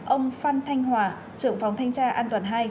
ba ông phan thanh hòa trưởng phóng thanh tra an toàn hai